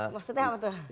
maksudnya apa tuh